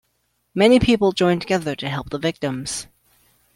Many people joined together to help the victims.